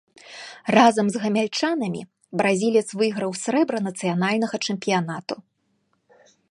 Разам з гамяльчанамі бразілец выйграў срэбра нацыянальнага чэмпіянату.